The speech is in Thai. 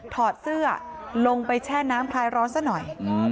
ถอดเสื้อลงไปแช่น้ำคลายร้อนซะหน่อย